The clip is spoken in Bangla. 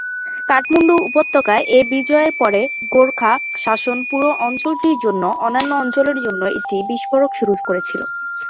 কাঠমান্ডু উপত্যকার এই বিজয়ের পরে গোর্খা শাসন পুরো অঞ্চলটির জন্য অন্যান্য অঞ্চলের জন্য একটি বিস্ফোরক শুরু করেছিল।